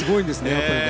やっぱりね。